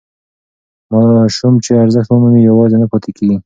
ماسوم چې ارزښت ومومي یوازې نه پاتې کېږي.